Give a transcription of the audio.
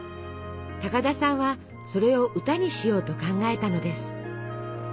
高田さんはそれを歌にしようと考えたのです。